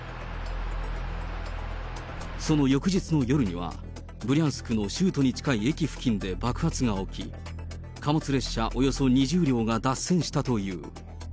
その翌日の夜には、ブリャンスクの州都に近い駅付近で爆発が起き、貨物列車およそ２０両が脱線したという。